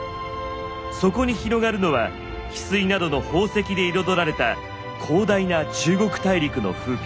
そこに広がるのは翡翠などの宝石で彩られた広大な中国大陸の風景。